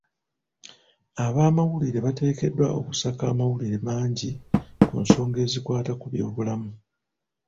Ab'amawulire bateekeddwa okusaka amawulire mangi ku nsonga ezikwata ku byobulamu.